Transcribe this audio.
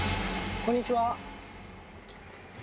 こんにちは。